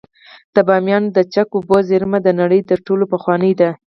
د بامیانو د چک اوبو زیرمه د نړۍ تر ټولو پخوانۍ ده